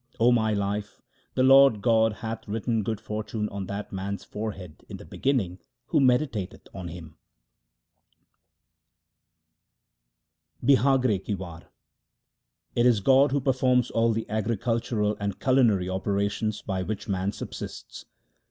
0 my life, the Lord God hath written good fortune on that man's forehead in the beginning who meditateth on Him. 1 Bihagre ki War It is God who performs all the agricultural and culinary operations by which man subsists.